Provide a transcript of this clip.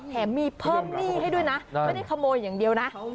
แถมมีเพิ่มหนี้ให้ด้วยนะไม่ได้ขโมยอย่างเดียวนะ